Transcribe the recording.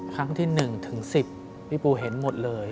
ครั้งที่๑ถึง๑๐พี่ปูเห็นหมดเลย